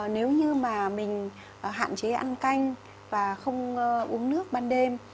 nếu như mà mình hạn chế ăn canh và không uống nước ban đêm